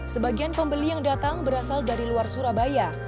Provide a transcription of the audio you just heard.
sebagian pembeli yang datang berasal dari luar surabaya